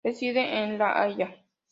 Reside en La Haya.